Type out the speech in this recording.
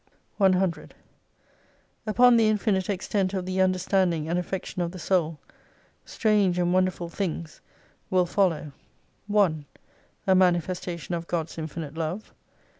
100 Upon the infinite extent of the understanding and affection of the soul, strange and wonderful things will 317 follow : 1. A manifestation of God's infinite love.